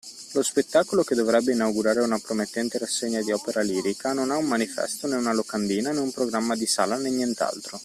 Lo spettacolo che dovrebbe inaugurare una promettente rassegna di opera lirica non ha un manifesto, né una locandina, né un programma di sala, né nient’altro